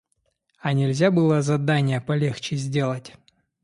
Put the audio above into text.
А нельзя было задания полегче сделать?